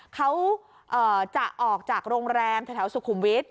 เขาจะออกจากโรงแรมแถวสุขุมวิทย